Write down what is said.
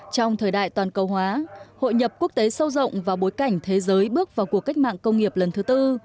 trong thời đại toàn cầu hóa hội nhập quốc tế sâu rộng và bối cảnh thế giới bước vào cuộc cách mạng công nghiệp lần thứ tư